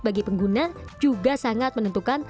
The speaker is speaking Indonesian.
bagi pengguna juga sangat menentukan